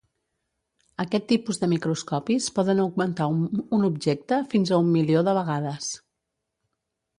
Aquest tipus de microscopis poden augmentar un objecte fins a un milió de vegades.